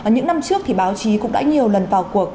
những năm trước thì báo chí cũng đã nhiều lần vào cuộc